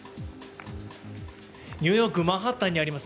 ニューヨーク・マンハッタンにあります